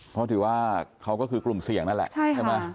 เพราะถือว่าเขาก็คือกลุ่มเสี่ยงนั่นแหละใช่ไหม